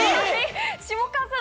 下川さん